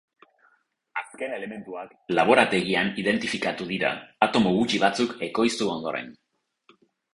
Azken elementuak laborategian identifikatu dira atomo gutxi batzuk ekoiztu ondoren.